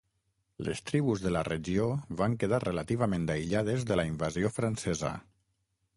Les tribus de la regió van quedar relativament aïllades de la invasió francesa.